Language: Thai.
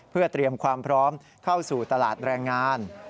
เพื่อเตรียมความพร้อมเข้าสู่ตลาดแรงงาน